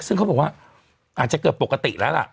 ซึ่งเขาบอกว่าอาจจะเกือบปกติแล้วล่ะ